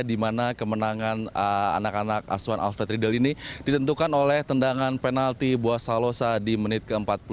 di mana kemenangan anak anak asuhan alfred riedel ini ditentukan oleh tendangan penalti bua salosa di menit ke empat puluh lima